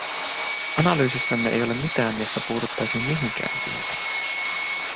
Analyysissanne ei ole mitään, jossa puututtaisiin mihinkään siitä.